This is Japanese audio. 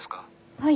はい。